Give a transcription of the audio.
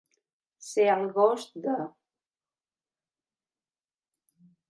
Ser el gos de.